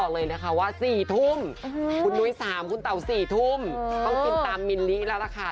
เลยนะคะว่า๔ทุ่มคุณนุ้ย๓คุณเต๋า๔ทุ่มต้องกินตามมิลลิแล้วล่ะค่ะ